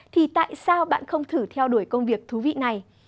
thì tại sao bạn không thử theo đuổi công việc thú vị này